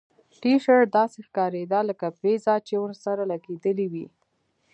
ټي شرټ داسې ښکاریده لکه پیزا چې ورسره لګیدلې وي